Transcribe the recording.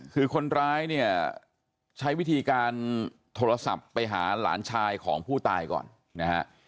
คือคนร้ายเนี่ยใช้วิธีการโทรศัพท์ไปหาหลานชายของผู้ตายก่อนนะฮะ